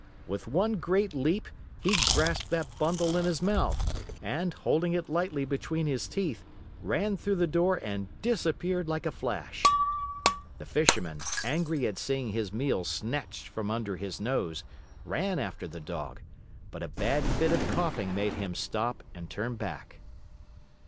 With one great leap, he grasped that bundle in his mouth and, holding it lightly between his teeth, ran through the door and disappeared like a flash! The Fisherman, angry at seeing his meal snatched from under his nose, ran after the Dog, but a bad fit of coughing made him stop and turn back.